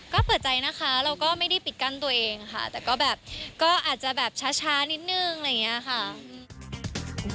ก็เปิดใจนะคะเราก็ไม่ได้ปิดกั้นตัวเองค่ะแต่ก็แบบก็อาจจะแบบช้านิดนึงอะไรอย่างนี้ค่ะ